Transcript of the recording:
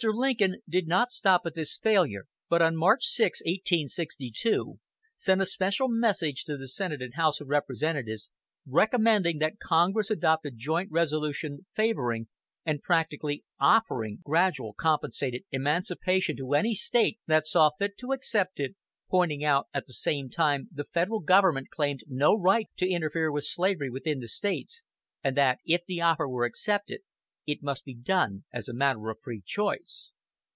Lincoln did not stop at this failure, but, on March 6, 1862, sent a special message to the Senate and House of Representatives recommending that Congress adopt a joint resolution favoring and practically offering gradual compensated emancipation to any State that saw fit to accept it; pointing out at the same time that the Federal government claimed no right to interfere with slavery within the States, and that if the offer were accepted it must be done as a matter of free choice.